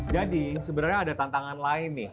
jadi sebenarnya ada tantangan lain nih